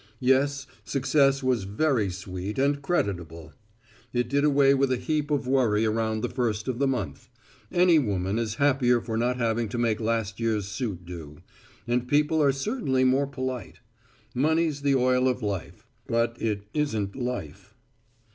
Yes, success was very sweet and creditable. It did away with a heap of worry around the first of the month; any woman is happier for not having to make last year's suit do; and people are certainly more polite. Money's the oil of life. But it isn't life.